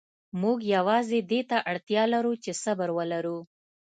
موږ یوازې دې ته اړتیا لرو چې صبر ولرو.